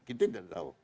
kita tidak tahu